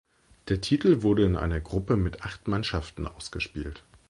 Der Titel wurde in einer Gruppe mit acht Mannschaften ausgespielt.